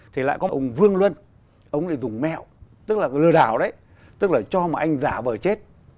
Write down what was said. thì lại có ông vương luân ông ấy dùng mẹo tức là lừa đảo đấy tức là cho mà anh giả vờ chết